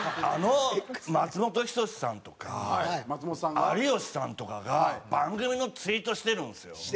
あの松本人志さんとか有吉さんとかが番組のツイートしてるんですよ。